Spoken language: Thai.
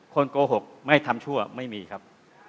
โกหกไม่ทำชั่วไม่มีครับ